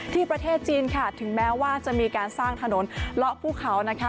ประเทศจีนค่ะถึงแม้ว่าจะมีการสร้างถนนเลาะภูเขานะคะ